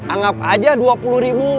anggap aja dua puluh ribu